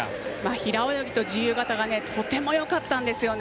平泳ぎと自由形がとてもよかったんですね。